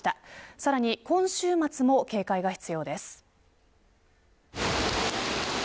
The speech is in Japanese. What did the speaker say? さらに今週末も警戒が必要です。